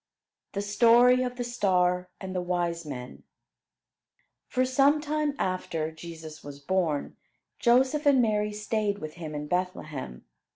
THE STORY OF THE STAR AND THE WISE MEN For some time after Jesus was born, Joseph and Mary stayed with him in Bethlehem.